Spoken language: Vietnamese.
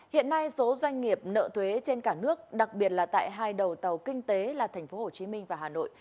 hiện nay số doanh nghiệp nợ thuế trên cả nước đặc biệt là tại hai đầu tàu kinh tế là tp hcm và hà nội